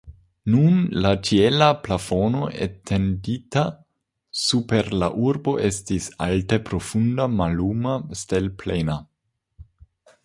Nun la ĉiela plafono etendita super la urbo estis alte profunda, malluma, stelplena.